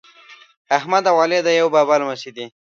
احمد او علي د یوه بابا لمسي دي.